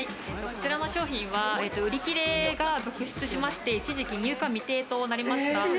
こちらの商品は売り切れが続出しまして、一時期、入荷未定となりました